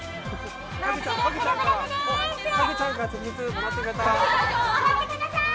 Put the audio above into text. もらってください！